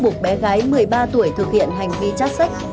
do có hành vi ép buộc bé gái một mươi ba tuổi thực hiện hành vi chát sách